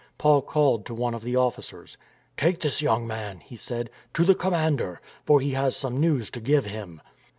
Paul called to one of the officers. " Take this young man," he said, " to the com mander, for he has some news to give him."